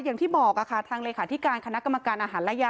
อย่างที่บอกค่ะทางเลขาธิการคณะกรรมการอาหารและยา